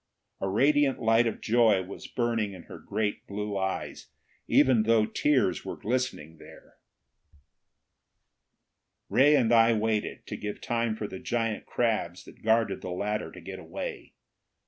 A radiant light of joy was burning in her great blue eyes, even though tears were glistening there. Ray and I waited, to give time for the giant crabs that guarded the ladder to get away.